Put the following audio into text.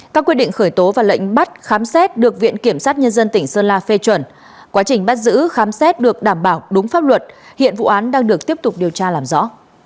các quyết định khởi tố và lệnh bắt khám xét được viện kiểm sát nhân dân tỉnh sơn la phê chuẩn quá trình bắt giữ khám xét được đảm bảo đúng pháp luật hiện vụ án đang được tiếp tục điều tra làm rõ